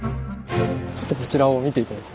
ちょっとこちらを見て頂いて。